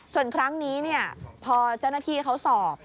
ส่วนครั้งนี้พอเจ้าหน้าที่เขาสอบ